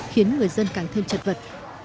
khiến người dân càng thêm trật vật